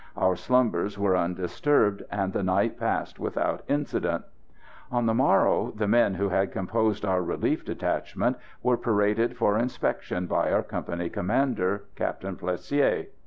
Our slumbers were undisturbed, and the night passed without incident. On the morrow the men who had composed our relief detachment were paraded for inspection by our company commander, Captain Plessier.